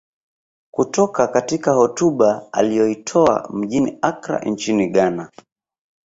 Kutoka katika hotuba aliyoitoa mjini Accra nchini Ghana